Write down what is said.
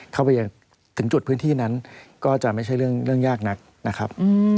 เข้าไปถึงจุดพื้นที่นั้นก็จะไม่ใช่เรื่องยากนักนะครับ